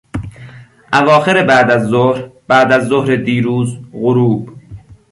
اواخر بعد از ظهر، بعد از ظهر دیر، غروب